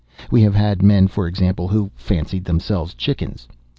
We have had men, for example, who fancied themselves chickens.